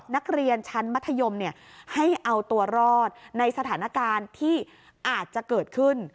นักเรียนชั้นมัธยมให้เอาตัวรอดในสถานการณ์ที่อาจจะเกิดขึ้น